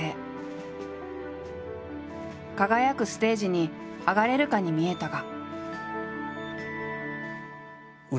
輝くステージに上がれるかに見えたが。